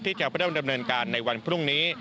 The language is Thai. ที่จะพันธุ์ดำเนินการในวันพรุ่งนี้